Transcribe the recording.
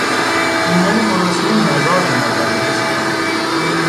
بومیان گرسنه، نزار به نظر میرسیدند.